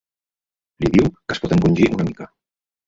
L'hi diu que es pot encongir una mica.